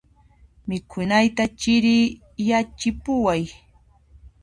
Mikhunayta chiriyachipuway.